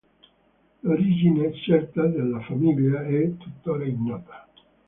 L'origine certa della famiglia è tuttora ignota.